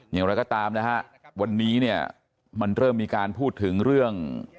อย่างไรก็ตามนะฮะวันนี้เนี่ยมันเริ่มมีการพูดถึงเรื่อง